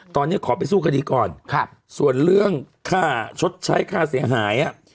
ตอนนี้ขอไปสู้คดีก่อนครับส่วนเรื่องค่าชดใช้ค่าเสียหาย